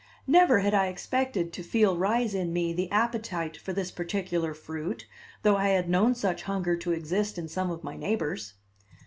Never had I expected to feel rise in me the appetite for this particular fruit, though I had known such hunger to exist in some of my neighbors.